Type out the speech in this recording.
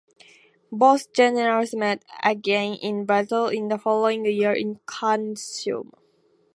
Both generals met again in battle the following year in Canusium.